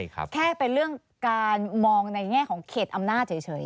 แค่เป็นเรื่องการมองในแง่ของเขตอำนาจเฉย